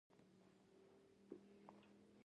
په کور کې انصاف د عدالت سبب ګرځي.